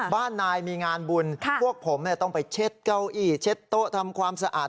บ้านนายมีงานบุญพวกผมต้องไปเช็ดเก้าอี้เช็ดโต๊ะทำความสะอาด